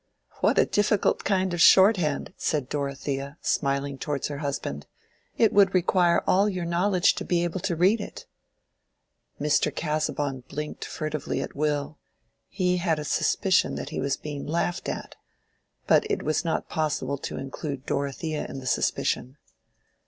"What a difficult kind of shorthand!" said Dorothea, smiling towards her husband. "It would require all your knowledge to be able to read it." Mr. Casaubon blinked furtively at Will. He had a suspicion that he was being laughed at. But it was not possible to include Dorothea in the suspicion.